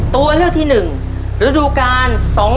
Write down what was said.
ตัวเลือกที่๑ฤดูกาล๒๕๖